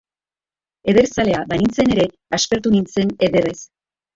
Ederzalea banintzen ere, aspertu nintzen ederrez.